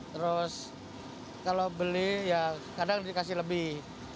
terus kalau beli ya kadang dikasih lebih